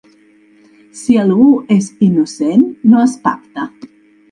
Si algú és innocent no es pacta.